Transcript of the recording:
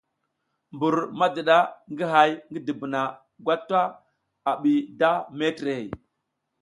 Mbur madiɗa ngi hay ngi dubuna gwata a bi da metrey,